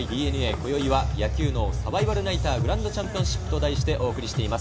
今宵は野球脳サバイバルナイターグランドチャンピオンシップと題してお送りしています。